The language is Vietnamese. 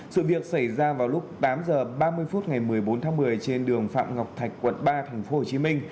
sự việc xảy ra vào lúc tám h ba mươi phút ngày một mươi bốn tháng một mươi trên đường phạm ngọc thạch quận ba tp hcm